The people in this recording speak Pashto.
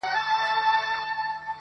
ما له یوې هم یوه ښه خاطره و نه لیده,